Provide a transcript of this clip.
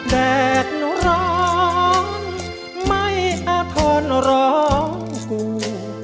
แดดหนูร้องไม่อาทรร้องกู